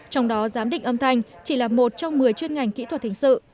trong đó giám định âm thanh chỉ là một trong một mươi chuyên ngành kỹ thuật hình sự